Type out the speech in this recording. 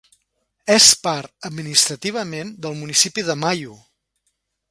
És part administrativament del municipi de Maio.